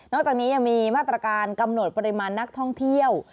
จากนี้ยังมีมาตรการกำหนดปริมาณนักท่องเที่ยว